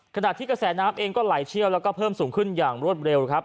ขณะที่กระแสน้ำเองก็ไหลเชี่ยวแล้วก็เพิ่มสูงขึ้นอย่างรวดเร็วครับ